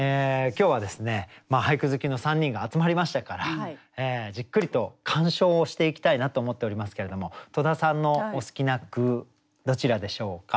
今日は俳句好きの３人が集まりましたからじっくりと鑑賞をしていきたいなと思っておりますけれども戸田さんのお好きな句どちらでしょうか？